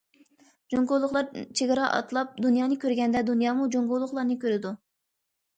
جۇڭگولۇقلار چېگرا ئاتلاپ دۇنيانى كۆرگەندە، دۇنيامۇ جۇڭگولۇقلارنى كۆرىدۇ.